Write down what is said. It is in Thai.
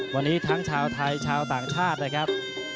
วันนี้ทั้งชาวไทยชาวต่างชาตินะครับ